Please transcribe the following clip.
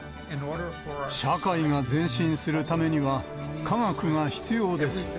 社会が前進するためには科学が必要です。